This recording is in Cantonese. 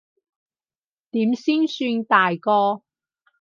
點先算大個？